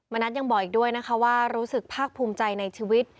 นัทยังบอกอีกด้วยนะคะว่ารู้สึกภาคภูมิใจในชีวิต